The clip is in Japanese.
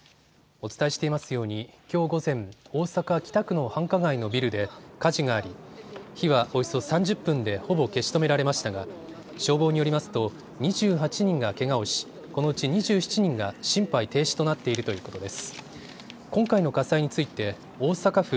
お伝えしていますようにきょう午前、大阪北区の繁華街のビルで火事があり火はおよそ３０分でほぼ消し止められましたが消防によりますと２８人がけがをし、このうち２７人が心肺停止となっているということです。